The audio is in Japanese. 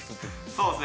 そうですね。